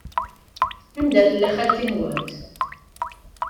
Anida tella xalti-nwent?